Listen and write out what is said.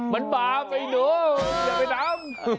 มันบาปไอ้หนูอย่าไปทำ